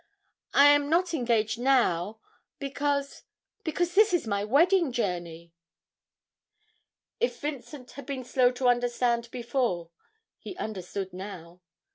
I am not engaged now, because because this is my wedding journey!' If Vincent had been slow to understand before, he understood now.